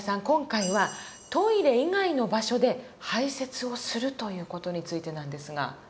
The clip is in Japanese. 今回はトイレ以外の場所で排泄をするという事についてなんですが。